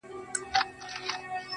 وه كلي ته زموږ راځي مـلـنگه ككـرۍ